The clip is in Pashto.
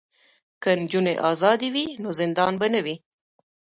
که نجونې ازادې وي نو زندان به نه وي.